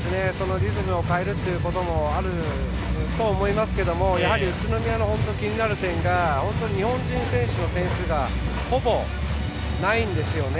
リズムを変えるということもあると思いますけども宇都宮の気になる点が本当に日本人選手の点数がほぼないんですよね。